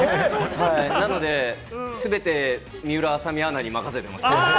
なので、全て水卜麻美アナに任せてます。